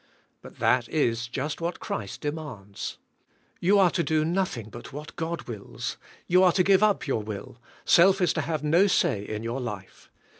But that is just what Christ demands. You are to do noth ing but what God wills. You are to give up your will; self is to have no say in your life.